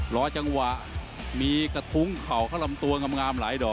รับตรงหวะมีกระทุงเขาเขาให้ล้ำตัวงำลามหลายดอก